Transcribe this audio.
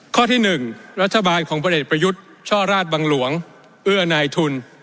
ข้อที่๑รัฐบาลของพลเอกประยุทธ์ช่อราชบังหลวงเอื้อนายทุน